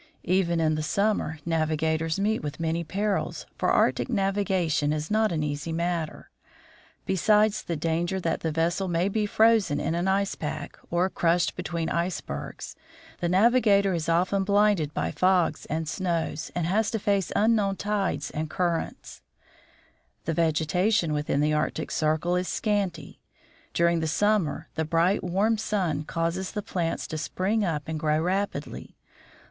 Even in the summer, navigators meet with many perils, for Arctic navigation is not an easy matter. Besides the danger that the vessel may be frozen in an ice pack, or crushed between icebergs, the navigator is often blinded by fogs and snows, and has to face unknown tides and currents. w Daily Motion of the Heavens as seen at the Equator. The vegetation within the Arctic circle is scanty. Dur ing the summer the bright, warm sun causes the plants to spring up and grow rapidly.